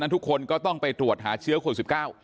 ทุกคนก็ต้องไปตรวจหาเชื้อโควิด๑๙